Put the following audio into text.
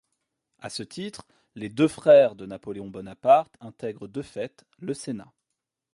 À ce titre, les deux frères de Napoléon Bonaparte intègrent de fait le Sénat.